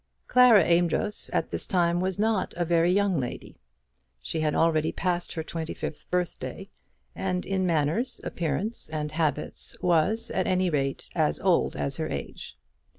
Clara Amedroz at this time was not a very young lady. She had already passed her twenty fifth birthday, and in manners, appearance, and habits was, at any rate, as old as her age.